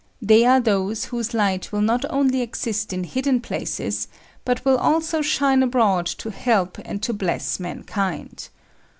They are those whose light will not only exist in hidden places, but will also shine abroad to help and to bless mankind.